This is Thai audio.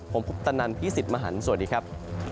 ผมพุกตะนันที่ศิษย์มหันต์สวัสดีครับ